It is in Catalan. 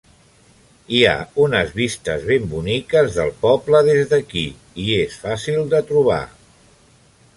Hi ha unes vistes ben boniques del poble des d'aquí i és fàcil de trobar.